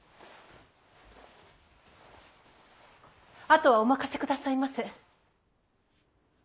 後はお任せくださいませ。